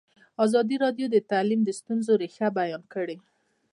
ازادي راډیو د تعلیم د ستونزو رېښه بیان کړې.